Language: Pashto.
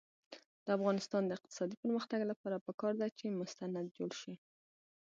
د افغانستان د اقتصادي پرمختګ لپاره پکار ده چې مستند جوړ شي.